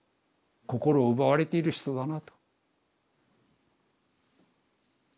「心を奪われている人だな」と。